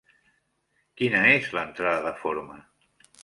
Quina és l'entrada de forma?